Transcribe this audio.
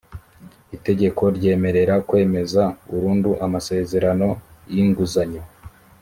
itegeko ryemerera kwemeza burundu amasezerano y inguzanyo